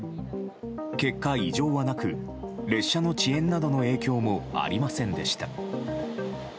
結果、異常はなく列車の遅延などの影響もありませんでした。